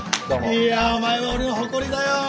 いやお前は俺の誇りだよ。